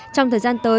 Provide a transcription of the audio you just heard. trong thời gian tới